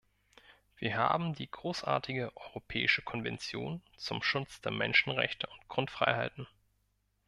Wir haben die großartige Europäische Konvention zum Schutz der Menschenrechte und Grundfreiheiten.